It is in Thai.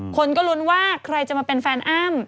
คนก็ลุ้นว่าใครจะมาเป็นแฟนอ้ำ